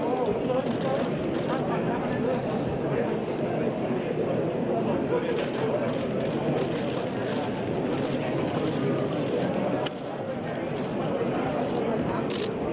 ขอดูดูนะครับ